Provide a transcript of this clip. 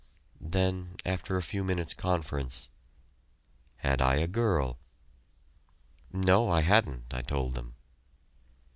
Then, after a few minutes' conference Had I a girl? "No I hadn't," I told them.